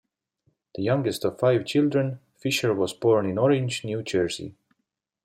The youngest of five children, Fisher was born in Orange, New Jersey.